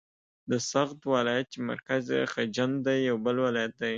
د سغد ولایت چې مرکز یې خجند دی یو بل ولایت دی.